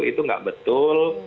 itu nggak betul